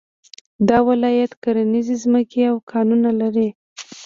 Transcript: دا ولایت کرنيزې ځمکې او کانونه لري